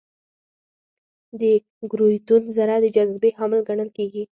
د ګرویتون ذره د جاذبې حامل ګڼل کېږي.